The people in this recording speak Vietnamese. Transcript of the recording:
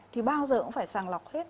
thì bao giờ cũng phải sàng lọc hết